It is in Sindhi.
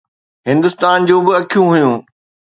هندستان جون به اکيون هيون.